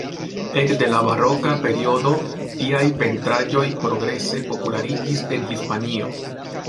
Ekde la baroka periodo, tiaj pentraĵoj progrese populariĝis en Hispanio.